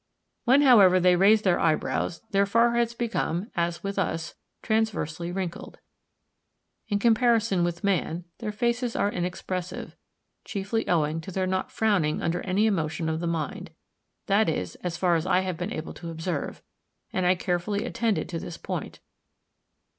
When, however, they raise their eyebrows their foreheads become, as with us, transversely wrinkled. In comparison with man, their faces are inexpressive, chiefly owing to their not frowning under any emotion of the mind—that is, as far as I have been able to observe, and I carefully attended to this point.